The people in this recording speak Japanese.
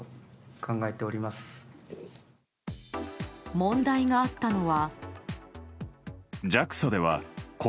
問題があったのは。